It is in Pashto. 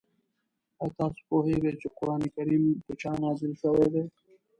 آیا تاسو پوهېږئ چې قرآن کریم په چا نازل شوی دی؟